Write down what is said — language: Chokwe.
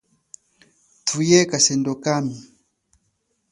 Thuye kasendo kami.